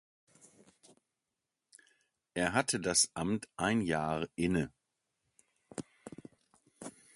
Er hatte das Amt ein Jahr inne.